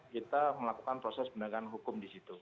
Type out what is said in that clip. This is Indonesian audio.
kita melakukan proses pendekatan hukum di situ